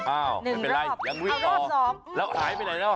อ้าวไม่เป็นไรยังวิ่งต่อแล้วหายไปไหนแล้ว